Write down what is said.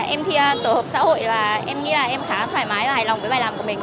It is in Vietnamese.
em thi tổ hợp xã hội và em nghĩ là em khá thoải mái và hài lòng với bài làm của mình